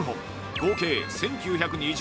合計１９２０